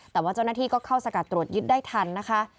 แต่ว่าเจ้าหน้าที่ก็เข้าสกัดตรวจยึดได้ทันนะคะ